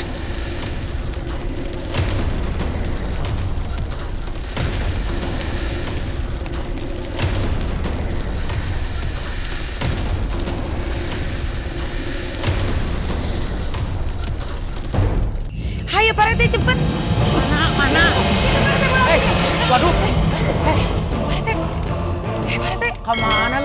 hai hai hai ayo paretnya cepet mana mana